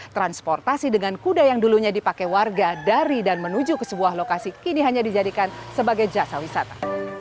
transportasi dengan kuda yang dulunya dipakai warga dari dan menuju ke sebuah lokasi kini hanya dijadikan sebagai jasa wisata